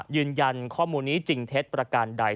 ยืนยันข้อมูลนี้จริงเท็จประการใด